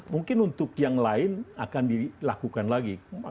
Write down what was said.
mungkin untuk yang lain akan dilakukan lagi